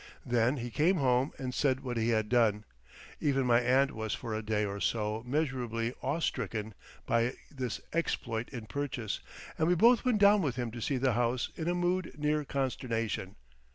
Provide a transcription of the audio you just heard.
Then he came home and said what he had done. Even my aunt was for a day or so measurably awestricken by this exploit in purchase, and we both went down with him to see the house in a mood near consternation.